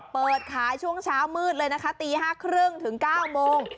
เปิดขายช่วงเช้ามืดเลยนะคะตี๕๓๐ถึง๙โมง